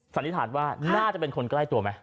สันนิษฐานว่าน่าจะเป็นคนใกล้ตัวไหม